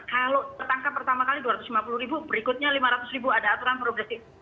kalau tertangkap pertama kali dua ratus lima puluh ribu berikutnya lima ratus ribu ada aturan progresif